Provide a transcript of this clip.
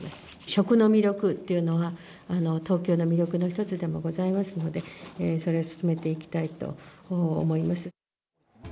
食の魅力っていうのが、東京の魅力の一つでもございますので、それを進めていきたいと思います。